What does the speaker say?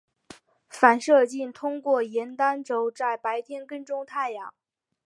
反射镜通过沿单轴在白天跟踪太阳。